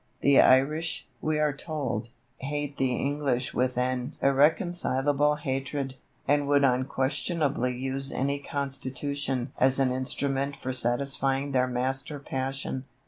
The Irish, we are told, hate the English with an irreconcilable hatred, and would unquestionably use any Constitution as an instrument for satisfying their master passion.